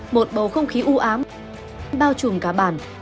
một bầu không khí ưu ám bao trùm cả bản